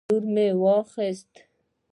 لور مې واخیست